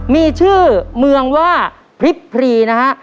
มีชื่อเมืองว่าพริบพรีนะฮะ